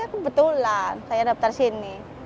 kebetulan saya dapat dari sini